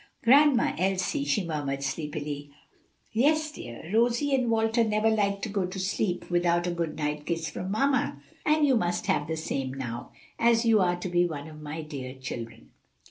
"Grandma Elsie," she murmured sleepily. "Yes, dear. Rosie and Walter never like to go to sleep without a good night kiss from mamma, and you must have the same now, as you are to be one of my dear children."